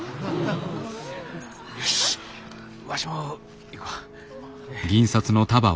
よしわしも行くわ。